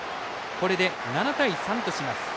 これで７対３とします。